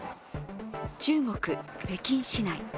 中国・北京市内。